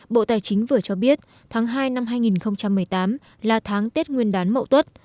bộ tài chính vừa cho biết tháng hai năm hai nghìn một mươi tám là tháng tết nguyên đán mậu tuất